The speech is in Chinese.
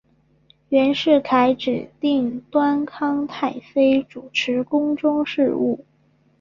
袁世凯指定端康太妃主持宫中事务。